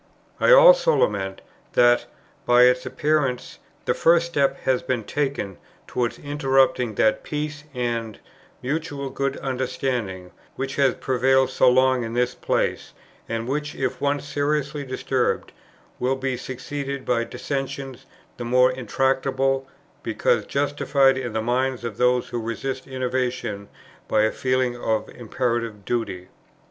I also lament, that, by its appearance, the first step has been taken towards interrupting that peace and mutual good understanding which has prevailed so long in this place, and which, if once seriously disturbed, will be succeeded by dissensions the more intractable, because justified in the minds of those who resist innovation by a feeling of imperative duty."